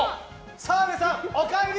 澤部さん、おかえり！